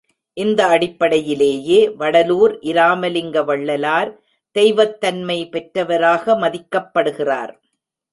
இந்த அடிப்படையிலேயே வடலூர் இராமலிங்க வள்ளலார் தெய்வத் தன்மை பெற்றவராக மதிக்கப்படுகிறார்.